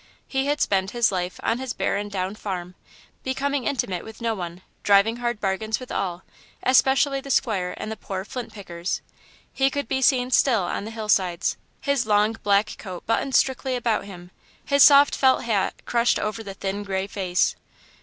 He had spent his life on his barren down farm, becoming intimate with no one, driving hard bargains with all, especially the squire and the poor flint pickers. He could be seen still on the hill sides, his long black coat buttoned strictly about him, his soft felt hat crushed over the thin, grey face.